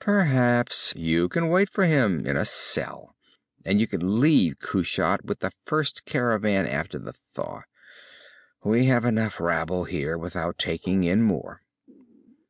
"Perhaps. You can wait for him in a cell. And you can leave Kushat with the first caravan after the thaw. We have enough rabble here without taking in more."